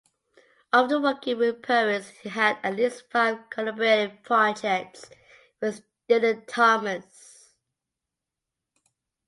Often working with poets he had at least five collaborative projects with Dylan Thomas.